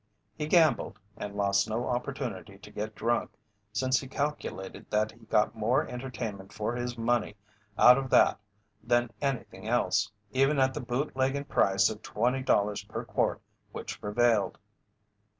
He gambled, and lost no opportunity to get drunk, since he calculated that he got more entertainment for his money out of that than anything else, even at the "bootlegging" price of $20 per quart which prevailed.